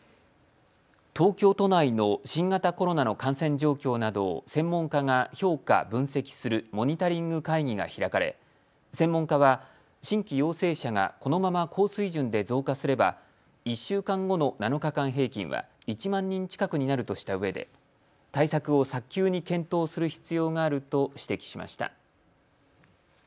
東京都内の新型コロナの感染状況などを専門家が評価・分析するモニタリング会議が開かれ専門家は新規陽性者がこのまま高水準で増加すれば１週間後の７日間平均は１万人近くになるとしたうえで対策を早急に検討する必要があると指摘しました。